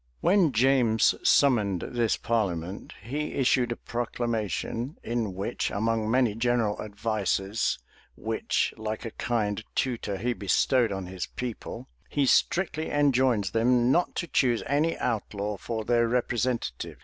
[] When James summoned this parliament, he issued a proclamation,[] in which, among many general advices, which, like a kind tutor, he bestowed on his people, he strictly enjoins them not to choose any outlaw for their representative.